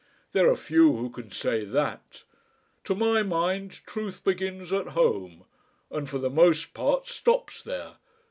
There are few who can say that. To my mind truth begins at home. And for the most part stops there.